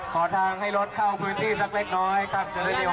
อ๋อขอบคุณพี่มากเลยครับ